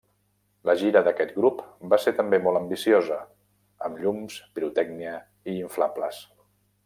La gira d'aquest grup va ser també molt ambiciosa, amb llums, pirotècnia i inflables.